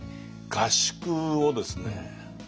合宿をですね年間